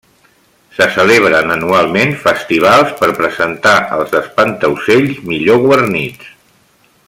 Se celebren anualment festivals per presentar els espantaocells millor guarnits.